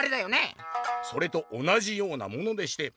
「それと同じようなものでして」。